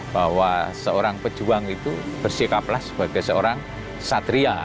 bahwa seorang pejuang itu bersikaplah sebagai seorang satria